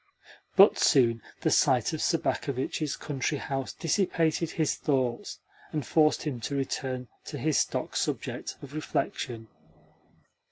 But soon the sight of Sobakevitch's country house dissipated his thoughts, and forced him to return to his stock subject of reflection.